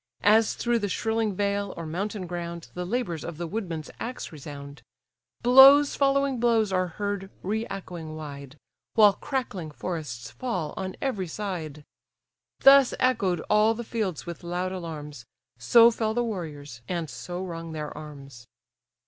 As through the shrilling vale, or mountain ground, The labours of the woodman's axe resound; Blows following blows are heard re echoing wide, While crackling forests fall on every side: Thus echoed all the fields with loud alarms, So fell the warriors, and so rung their arms.